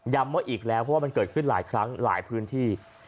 ว่าอีกแล้วเพราะว่ามันเกิดขึ้นหลายครั้งหลายพื้นที่